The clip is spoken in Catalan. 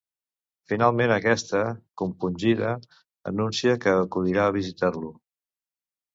Finalment aquesta, compungida, anuncia que acudirà a visitar-lo.